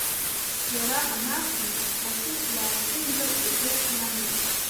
Иара анақәҿимҭ, Уасил иаацәыримгар игәы иамуит…